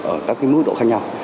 ở các cái mức độ khác nhau